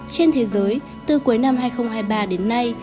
trên thế giới từ cuối năm hai nghìn hai mươi ba đến nay